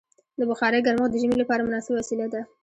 د بخارۍ ګرمښت د ژمي لپاره مناسبه وسیله ده.